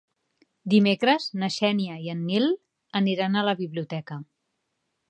Dimecres na Xènia i en Nil aniran a la biblioteca.